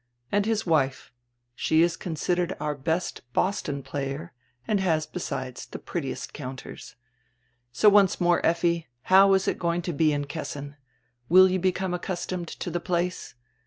And his wife! She is considered our best Boston player and has, besides, die prettiest counters. So once more, Effi, how is it going to be in Kessin? Will you become accustomed to die place?